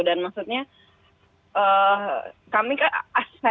dan maksudnya kami kan asal asal